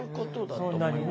そんなにね。